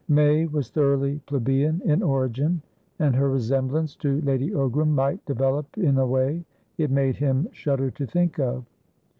May was thoroughly plebeian in origin, and her resemblance to Lady Ogram might develop in a way it made him shudder to think of.